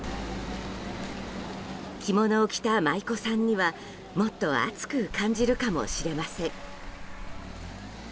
着物を着た舞妓さんにはもっと暑く感じるかもしれません。